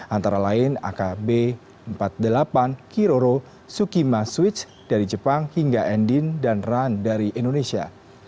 antara lain akb empat puluh delapan kiroro sukima switch dari jepang hingga endin dan run dari indonesia